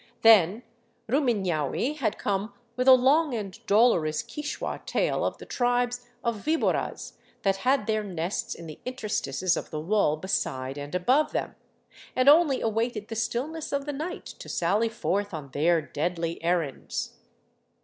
Then Rumifiaui had come with a long and dolorous Quichua tale of the tribes of " viboras " that had their nests in the interstices of the wall beside and above them, and only awaited the stillness of the night to sally forth on their deadly er rands.